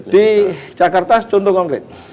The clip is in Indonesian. di jakarta contohnya konkret